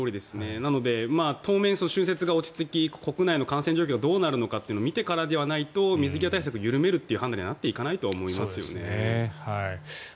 なので、当面、春節が落ち着き国内の感染状況がどうなるのかを見ないと水際対策を緩めるという判断にはなっていかないと思いますね。